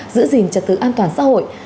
giữ gìn trật tự an toàn xã hội